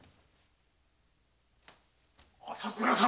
朝倉様！